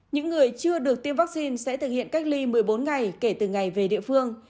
những người chưa được tiêm vaccine sẽ thực hiện cách ly một mươi bốn ngày kể từ ngày về địa phương